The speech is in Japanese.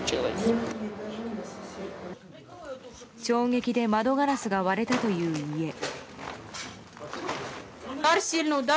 衝撃で窓ガラスが割れたという家。